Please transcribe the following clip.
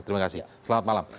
terima kasih selamat malam